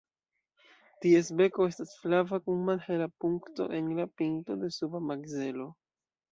Ties beko estas flava kun malhela punkto en la pinto de suba makzelo.